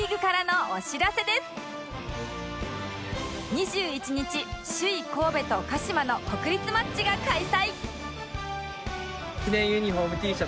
２１日首位神戸と鹿島の国立マッチが開催！